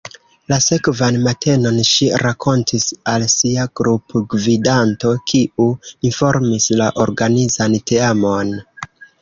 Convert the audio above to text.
La sekvan matenon ŝi rakontis al sia grupgvidanto, kiu informis la organizan teamon.